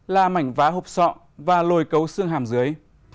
là mảnh vá hộp sọ và lồi cấu xương hàm dưới